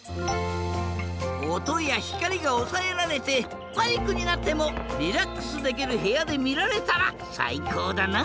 おとやひかりがおさえられてパニックになってもリラックスできるへやでみられたらさいこうだな。